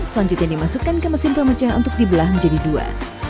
selanjutnya dimasukkan ke mesin pemecah untuk dibelah menjadi dua